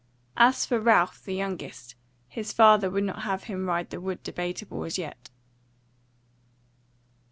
As for Ralph the youngest, his father would not have him ride the Wood Debateable as yet.